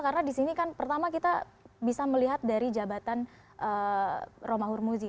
karena di sini kan pertama kita bisa melihat dari jabatan romahur muzi